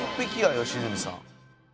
良純さん。